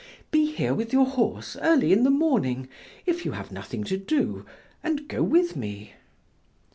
Be here with your horse early in the morning, if you have nothing to do, and go with me."